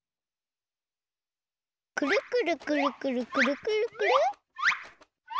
くるくるくるくるくるくるくる。